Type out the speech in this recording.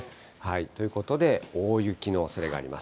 ということで大雪のおそれがあります。